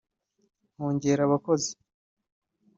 nkongera abakozi